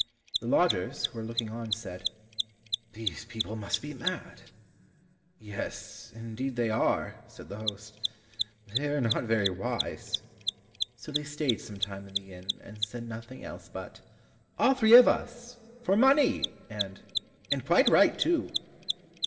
The lodgers, who were looking on, said, "These people must be mad." "Yes, indeed they are," said the host, "they are not very wise." So they stayed some time in the inn, and said nothing else but, "All three of us," "For money," and "And quite right too!"